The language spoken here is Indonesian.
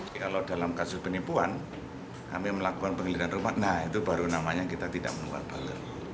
kalau dalam kasus penipuan kami melakukan penyelidikan rumah nah itu baru namanya kita tidak menular balik